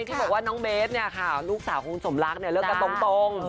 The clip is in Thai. ยังบอกว่าน้องเบทเรื่องรู้สึกลวงสมลัขเลิกตรงตรง